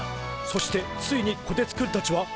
そしてついにこてつくんたちは！